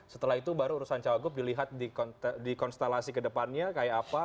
setelah itu baru urusan cawagub dilihat dikonstelasi kedepannya kayak apa